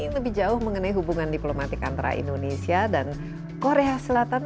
lebih jauh mengenai hubungan diplomatik antara indonesia dan korea selatan